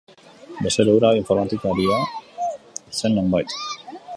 Bezero hura informatikaria zen nonbait.